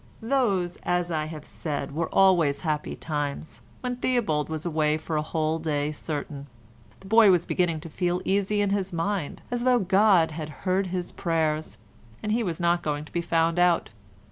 Those, as I have said, were always happy times, when Theobald was away for a whole day certain; the boy was beginning to feel easy in his mind as though God had heard his prayers, and he was not going to be found out.